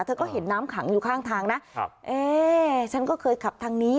เธอก็เห็นน้ำขังอยู่ข้างทางนะครับเอ๊ฉันก็เคยขับทางนี้